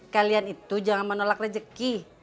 kalian itu jangan menolak rezeki